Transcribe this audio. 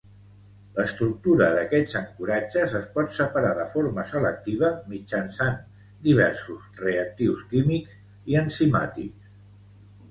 L'estructura d'aquests ancoratges es pot separar de forma selectiva mitjançant diversos reactius químics i enzimàtics.